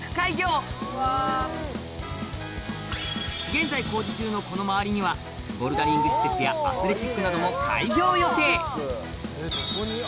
現在工事中のこの周りにはボルダリング施設やアスレチックなども開業予定